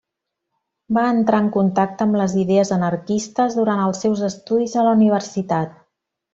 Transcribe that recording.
Va entrar en contacte amb les idees anarquistes durant els seus estudis a la universitat.